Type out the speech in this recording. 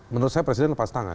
menurut saya presiden lepas tangan